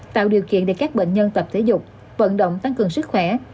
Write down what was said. tạo điều kiện để các bệnh nhân tập thể dục vận động tăng cường sức khỏe